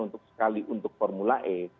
untuk sekali untuk formula e